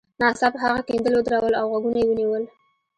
ناڅاپه هغه کیندل ودرول او غوږونه یې ونیول